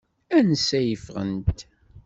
Ansa i ffɣent?